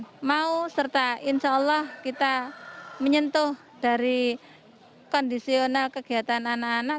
yang bisa dan mau serta insya allah kita menyentuh dari kondisional kegiatan anak anak